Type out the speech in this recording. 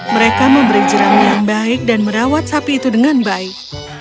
mereka memberi jerami yang baik dan merawat sapi itu dengan baik